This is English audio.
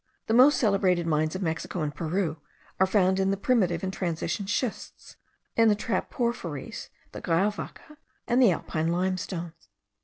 The most celebrated mines of Mexico and Peru are found in the primitive and transition schists, in the trap porphyries, the grauwakke, and the alpine limestones.